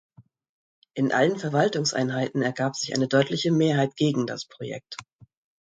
In allen Verwaltungseinheiten ergab sich eine deutliche Mehrheit gegen das Projekt.